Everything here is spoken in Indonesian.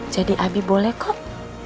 jadi abi boleh kok